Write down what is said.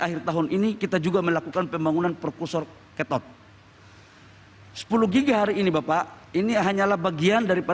khususnya keperluan ekonomi dan teknologi